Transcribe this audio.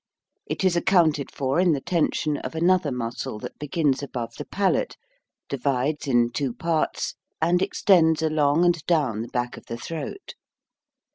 It is accounted for in the tension of another muscle that begins above the palate, divides in two parts, and extends along and down the back of the throat.